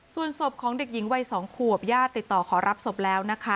ส่วนศพของเด็กหญิงวัย๒ขวบญาติติดต่อขอรับศพแล้วนะคะ